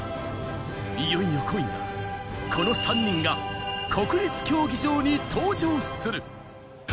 いよいよ今夜、この３人が国立競技場に登場する。